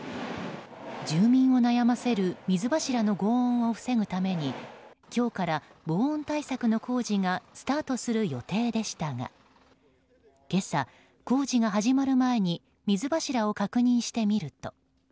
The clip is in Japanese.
住民を悩ませる水柱の轟音を防ぐために今日から轟音対策の工事がスタートする予定でしたが今朝、工事が始まる前に水柱を確認してみると。